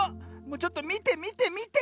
ちょっとみてみてみて。